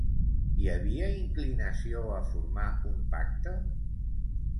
Hi havia inclinació a formar un pacte?